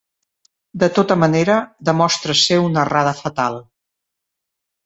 De tota manera, demostra ser una errada fatal.